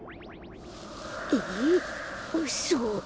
えっうそ！？